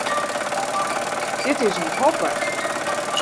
Dit is in hoppe.